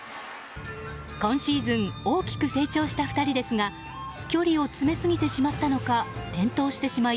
今シーズン大きく成長した２人ですが距離を詰めすぎてしまったのか転倒してしまい